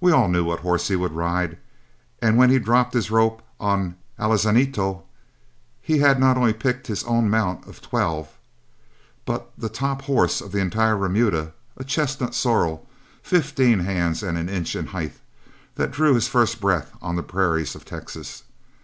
We all knew what horse he would ride, and when he dropped his rope on "Alazanito," he had not only picked his own mount of twelve, but the top horse of the entire remuda, a chestnut sorrel, fifteen hands and an inch in height, that drew his first breath on the prairies of Texas.